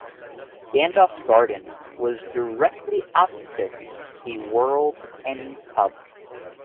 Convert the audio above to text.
Gandalf's Garden was directly opposite the World's End pub.